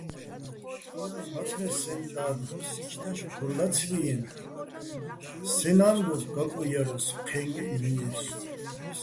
მაცმე́ სეჼ და́დ ქორ ლაცვიეჼ, სეჼ ნა́ნგო გაკო ჲარასო̆, ჴე́ნგეჸ ჲიესო̆.